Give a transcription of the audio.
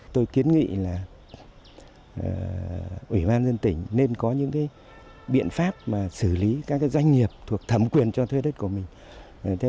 tôi kiến nghị là ủy ban dân tỉnh nên có những biện pháp mà xử lý các doanh nghiệp thuộc thẩm quyền cho thuê đất của mình